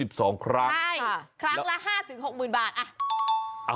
ครั้งละ๕๖๐๐๐๐บาทอ่ะ